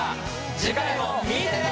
次回も見てね。